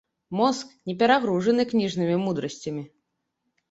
Мозг не перагружаны кніжнымі мудрасцямі.